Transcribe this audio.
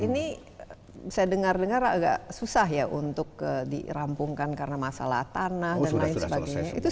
ini saya dengar dengar agak susah ya untuk dirampungkan karena masalah tanah dan lain sebagainya